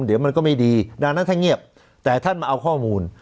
เดี๋ยวมันก็ไม่ดีดังนั้นถ้าเงียบแต่ท่านมาเอาข้อมูล